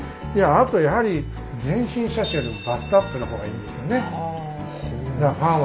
あとやはり全身写真よりもバストアップの方がいいんですよね。